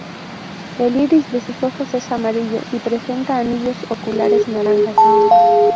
El iris de sus ojos es amarillo y presenta anillos oculares naranjas.